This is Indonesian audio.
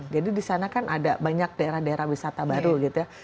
jadi di sana kan ada banyak daerah daerah wisata baru gitu ya